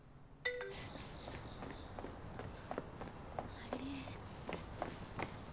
あれ。